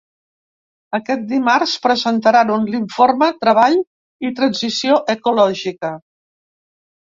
Aquest dimarts presentaran l’informe Treball i transició ecològica.